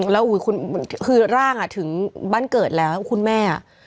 แล้วคือร่างอ่ะถึงบ้านเกิดแล้วคุณแม่